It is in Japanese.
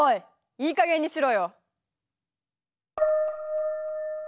いいかげんにしろよ！